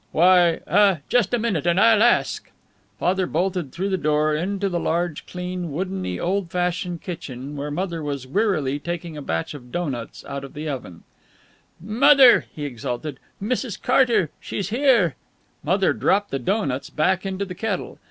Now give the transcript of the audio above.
"Why, uh just a minute and I'll ask." Father bolted through the door into the large, clean, woodeny, old fashioned kitchen, where Mother was wearily taking a batch of doughnuts out of the fat kettle. "Mother!" he exulted. "Mrs. Carter she's here!" Mother dropped the doughnuts back into the kettle.